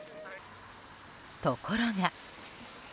ところが。